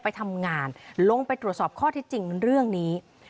ไปทำงานลงไปตรวจสอบข้อที่จริงเรื่องนี้